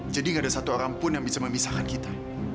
gak ada satu orang pun yang bisa memisahkan kita